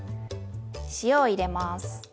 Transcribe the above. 塩を入れます。